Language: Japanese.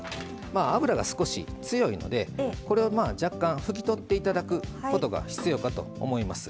油が少し強いのでこれは若干拭き取って頂くことが必要かと思います。